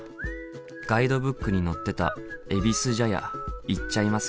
ガイドブックに載ってたえびす茶屋行っちゃいますか。